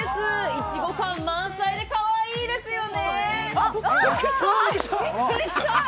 いちご感満載でかわいいですよね。